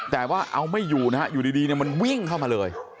แต่ว่าเอาไม่อยู่นะฮะอยู่ดีมันวิ่งเข้ามาเลย